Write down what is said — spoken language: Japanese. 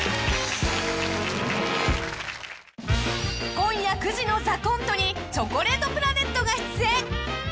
・［今夜９時の『ＴＨＥＣＯＮＴＥ』にチョコレートプラネットが出演］